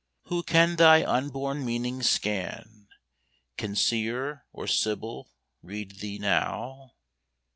Who can thy unborn meaning scan? Can Seer or Sibyl read thee now?